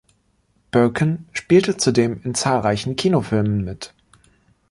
Birkin spielte zudem in zahlreichen Kinofilmen mit.